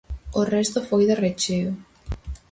O resto foi de recheo.